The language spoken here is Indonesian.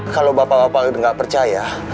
kalau bapak bapak nggak percaya